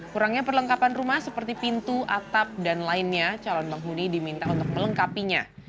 kurangnya perlengkapan rumah seperti pintu atap dan lainnya calon penghuni diminta untuk melengkapinya